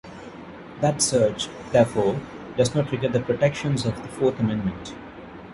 That search, therefore, does not trigger the protections of the Fourth Amendment.